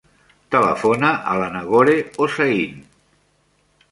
Telefona a la Nagore Hossain.